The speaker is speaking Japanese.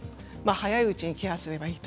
早いうちにケアすればいい。